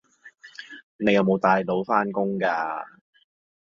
你有冇帶腦返工㗎